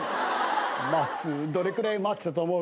まっすーどれくらい待ってたと思う？